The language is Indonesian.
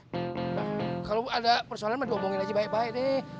pak kalau ada persoalan mending omongin aja baik baik deh